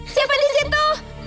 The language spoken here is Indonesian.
siapa di situ